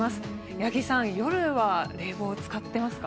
八木さん、夜は冷房使ってますか？